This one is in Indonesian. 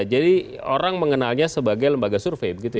jadi orang mengenalnya sebagai lembaga survei begitu ya